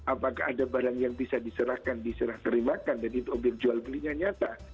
apakah ada barang yang bisa diserahkan diserah terimakan dan itu obyek jual belinya nyata